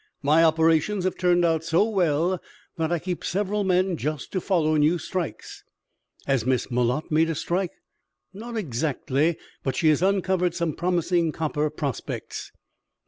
My operations have turned out so well that I keep several men just to follow new strikes." "Has Miss Malotte made a strike?" "Not exactly, but she has uncovered some promising copper prospects."